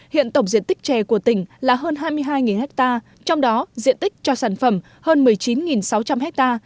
hiện tổng diện tích chè của tỉnh là hơn hai mươi hai ha trong đó diện tích cho sản phẩm hơn một mươi chín sáu trăm linh ha